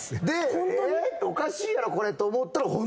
でおかしいやろこれと思ったら。